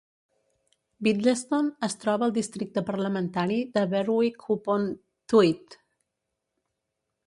Biddlestone es troba al districte parlamentari de Berwick-upon-Tweed.